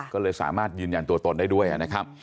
ก็เลยสามารถยืนยันตัวตนได้ด้วยนะครับ